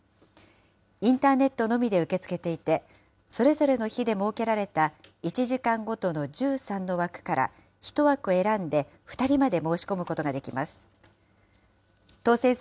インターネットのみで受け付けていて、それぞれの日で設けられた１時間ごとの１３の枠から１枠選んで２人まで申し込むことができます。